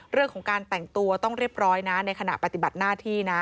เรื่องของการแต่งตัวต้องเรียบร้อยนะในขณะปฏิบัติหน้าที่นะ